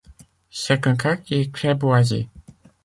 C'est un quartier très boisé.